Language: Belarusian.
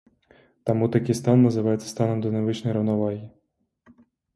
Таму такі стан называецца станам дынамічнай раўнавагі.